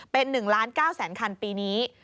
เป็น๑๙ล้านคันปีนี้